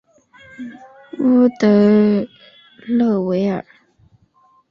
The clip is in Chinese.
乌德勒维尔。